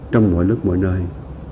trong mọi nước mọi nơi